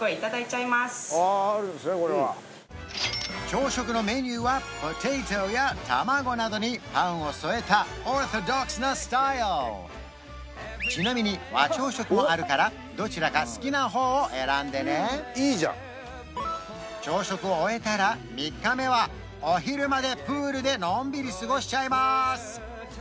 朝食のメニューはポテトや卵などにパンを添えたオーソドックスなスタイルちなみに和朝食もあるからどちらか好きな方を選んでね朝食を終えたら３日目はお昼までプールでのんびり過ごしちゃいます